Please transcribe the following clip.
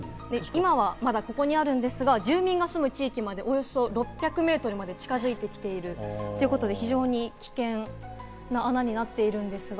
今はまだここにあるんですが、住民の住む地域までおよそ６００メートルまで近づいているということで、非常に危険な穴になっているんですが。